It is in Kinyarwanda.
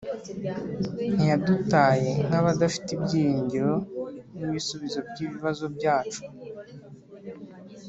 ntiyadutaye nk'abadafite ibyiringiro n'ibisubizo by'ibibazo byacu